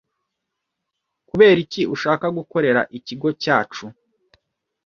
kuberiki ushaka gukorera ikigo cyacu?